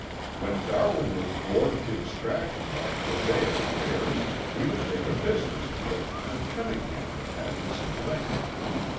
"When Darwin was bored to distraction by prosaic affairs, he would take a business trip and Cunningham would have his fling.